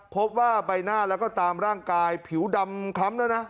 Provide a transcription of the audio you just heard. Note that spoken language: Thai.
พบว่าใบหน้าแล้วก็ตามร่างกายผิวดำคล้ำแล้วนะ